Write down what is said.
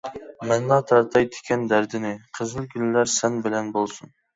مەنلا تارتاي تىكەن دەردىنى، قىزىلگۈللەر سەن بىلەن بولسۇن.